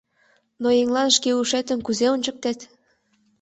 Но еҥлан шке ушетым кузе ончыктет?